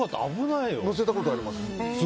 乗せたことあります。